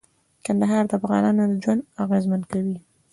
کندهار د افغانانو ژوند اغېزمن کوي.